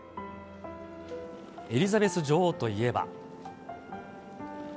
エリザベス女王といえば。